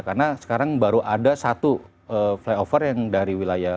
karena sekarang baru ada satu flyover yang dari wilayah